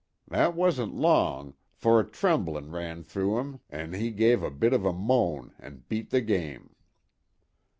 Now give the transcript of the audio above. That wasn't long, for a tremblin' ran through 'im and 'e gave a bit of a moan an' beat the game."